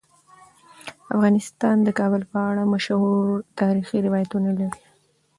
افغانستان د کابل په اړه مشهور تاریخی روایتونه لري.